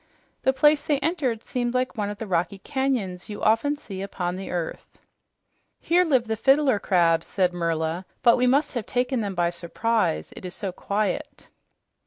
The place they entered seemed like one of the rocky canyons you often see upon the earth. "Here live the fiddler crabs," said Merla, "but we must have taken them by surprise, it is so quiet."